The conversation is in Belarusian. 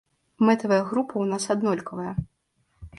Мэтавая група ў нас аднолькавая.